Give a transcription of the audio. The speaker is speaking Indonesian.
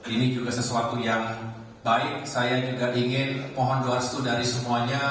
ini juga sesuatu yang baik saya juga ingin mohon doa restu dari semuanya